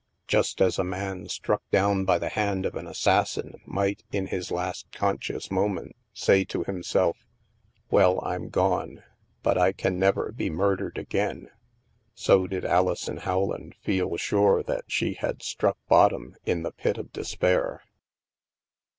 Just as a man struck 200 THE MASK down by the hand of an assassin might, in his last conscious moment, say to himself :" Well, Fin gone. But I can never be murdered again," so did Alison Howland feel sure that she had struck bottom in the pit of despair.